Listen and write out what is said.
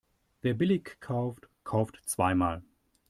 Wer billig kauft, kauft zweimal.